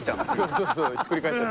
そうそうひっくり返っちゃう。